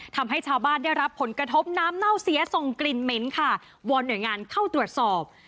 ทำให้ชาวบ้านได้รับผลกระทบน้ำเน่าเสียส่งกลิ่นเหม็นค่ะวอนหน่วยงานเข้าตรวจสอบ